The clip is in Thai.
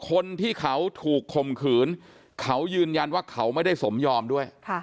คนที่เขาถูกข่มขืนเขายืนยันว่าเขาไม่ได้สมยอมด้วย